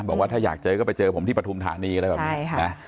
บอกว่าถ้าอยากเจอก็ไปเจอผมที่ปฐุมธานีอะไรแบบนี้